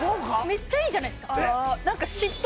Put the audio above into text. めっちゃいいじゃないすかえっ？